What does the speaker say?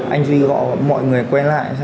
anh duy gọi mọi người quen lại